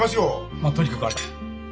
まっとにかくあれだ。